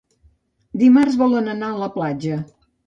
Dimarts volen anar a la platja.